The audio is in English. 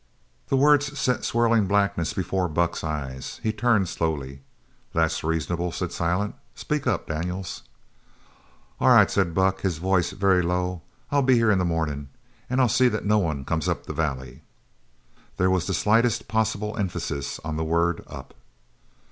The words set a swirling blackness before Buck's eyes. He turned slowly. "That's reasonable," said Silent. "Speak up, Daniels." "All right," said Buck, his voice very low. "I'll be here in the morning, and I'll see that no one comes up the valley." There was the slightest possible emphasis on the word "up."